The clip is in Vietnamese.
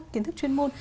kiến thức chuyên môn